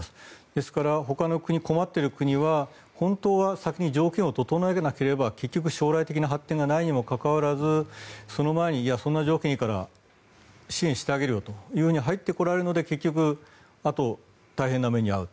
ですから、ほかの困っている国は本当は先に条件を整えなければ結局、将来的な発展がないにもかかわらずその前にいや、そんな条件いいから支援してあげるよと入ってこられるので結局、あとで大変な目に遭う。